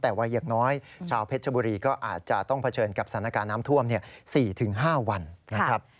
แต่ว่าอย่างน้อยชาวเพชรบุรีก็อาจจะต้องเผชิญกับสถานการณ์น้ำท่วม๔๕วันนะครับ